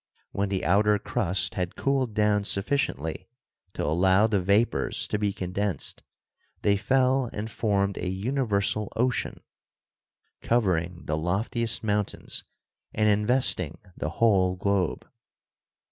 When the outer crust had cooled down sufficiently to allow the vapors to be condensed they fell and formed a universal ocean, covering the loftiest mountains and investing the whole globe.